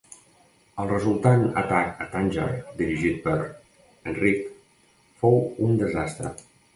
El resultant atac a Tànger, dirigit per Enric, fou un desastre.